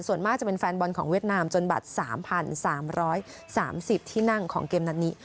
ส่วนมากจะเป็นแฟนบอลของเวียดนามจนบัตร๓๓๓๐ที่นั่งของเกมนัดนี้